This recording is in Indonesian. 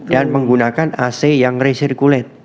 dan menggunakan ac yang resirkulat